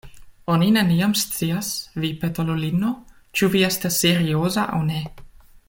Oni neniam scias, vi petolulino, ĉu vi estas serioza aŭ ne.